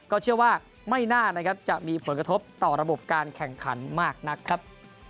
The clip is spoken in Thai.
เชื่อว่าไม่น่านะครับจะมีผลกระทบต่อระบบการแข่งขันมากนักครับ